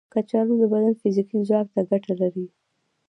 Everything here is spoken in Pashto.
کچالو د بدن فزیکي ځواک ته ګټه لري.